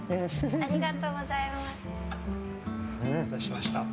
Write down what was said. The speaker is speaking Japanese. ありがとうございます。